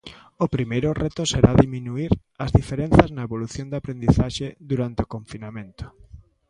O primeiro reto será diminuír as diferenzas na evolución da aprendizaxe durante o confinamento.